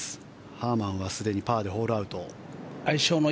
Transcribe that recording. ハーマンはすでにパーでホールアウト。